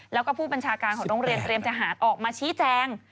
แล้วก็ผู้บัญชาการของโรงเรียนเตรียมทหารออกมาชี้แจง